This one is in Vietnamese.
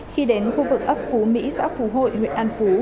khi đến khu vực ấp phú mỹ xã phú hội huyện an phú